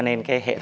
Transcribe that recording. tất cả các